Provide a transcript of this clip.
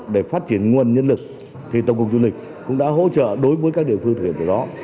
để phát triển nguồn nhân lực thì tổng cục du lịch cũng đã hỗ trợ đối với các địa phương thực hiện điều đó